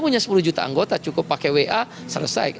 punya sepuluh juta anggota cukup pakai wa selesai